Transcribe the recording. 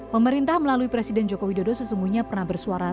pemerintah melalui presiden joko widodo sesungguhnya pernah bersuara